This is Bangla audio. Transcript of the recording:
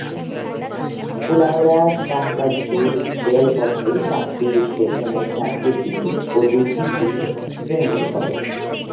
কুলাউড়া-শাহবাজপুর রেলপথে সাতটি স্টেশনের চারটি বি ও দুটি ডি শ্রেণির হবে।